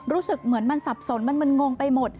รู้สึกเหมือนมันสับสนมันงงไปหมด